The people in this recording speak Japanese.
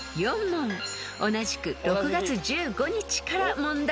［同じく６月１５日から問題］